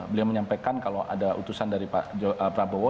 beliau menyampaikan kalau ada utusan dari pak prabowo